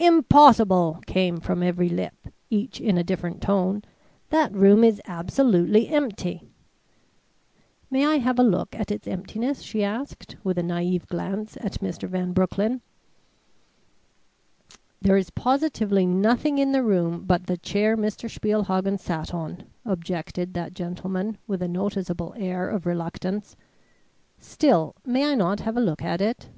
"Impossible!" came from every lip, each in a different tone. "That room is absolutely empty." "May I have a look at its emptiness?" she asked, with a naïve glance at Mr. Van Broecklyn. "There is positively nothing in the room but the chair Mr. Spielhagen sat on," objected that gentleman with a noticeable air of reluctance. "Still, may I not have a look at it?"